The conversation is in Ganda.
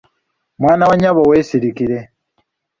Mwana wa nnyabo weesirikire